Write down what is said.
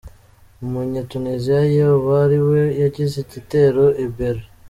Umunye Tunisia 'yoba ari we yagize igitero i Berlin'.